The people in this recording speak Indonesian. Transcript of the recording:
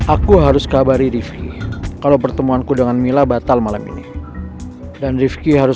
aku harus kabari rifki kalau pertemuanku dengan mila batal malam ini dan rifki harus